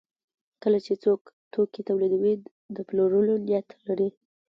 کله چې څوک توکي تولیدوي د پلورلو نیت لري.